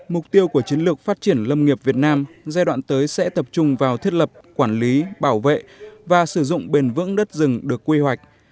mục tiêu của chiến lược phát triển lâm nghiệp việt nam giai đoạn tới sẽ tập trung vào thiết lập quản lý bảo vệ và sử dụng bền vững đất rừng được quy hoạch